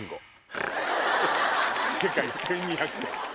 世界１２００店。